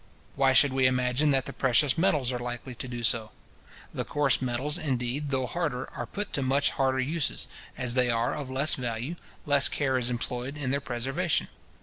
Why should we imagine that the precious metals are likely to do so? The coarse metals, indeed, though harder, are put to much harder uses, and, as they are of less value, less care is employed in their preservation.